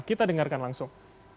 kita dengarkan langsung